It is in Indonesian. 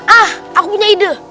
ah aku punya ide